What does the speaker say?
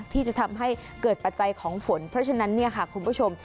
ที่จะทำให้เกิดปัจจัยของฝนเพราะฉะนั้นเนี่ยค่ะคุณผู้ชม